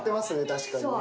確かにね。